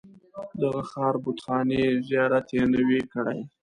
د هغه ښار بتخانې زیارت یې نه وي کړی.